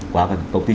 qua các công ty